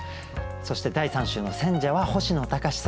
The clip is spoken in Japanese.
そして第３週の選者は星野高士さんです。